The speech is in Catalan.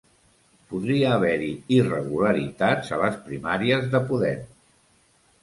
Podria haver-hi irregularitats a les primàries de Podem